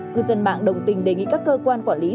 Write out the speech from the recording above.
cư dân mạng đồng tình đề nghị các cơ quan quản lý